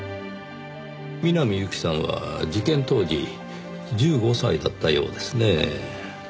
南侑希さんは事件当時１５歳だったようですねぇ。